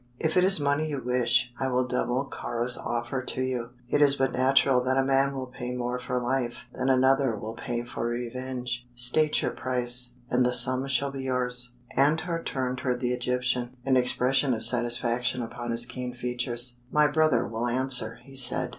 "If it is money you wish, I will double Kāra's offer to you. It is but natural that a man will pay more for life than another will pay for revenge. State your price, and the sum shall be yours." Antar turned toward the Egyptian, an expression of satisfaction upon his keen features. "My brother will answer," he said.